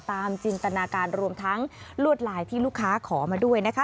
จินตนาการรวมทั้งลวดลายที่ลูกค้าขอมาด้วยนะคะ